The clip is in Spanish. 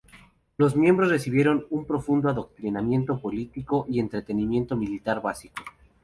Los miembros recibieron un profundo adoctrinamiento político y entrenamiento militar básico.